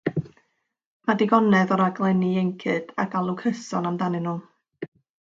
Mae digonedd o raglenni ieuenctid a galw cyson amdanynt.